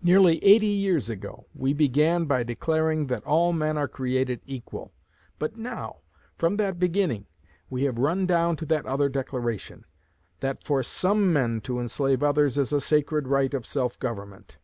Nearly eighty years ago we began by declaring that all men are created equal; but now from that beginning we have run down to that other declaration, 'that for some men to enslave others is a sacred right of self government.'